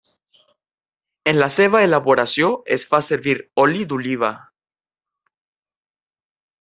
En la seva elaboració es fa servir oli d'oliva.